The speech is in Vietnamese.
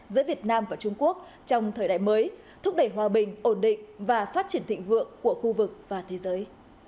giữa việt nam và trung quốc trong thời đại mới thúc đẩy hòa bình ổn định và phát triển thịnh vượng của khu vực và thế giới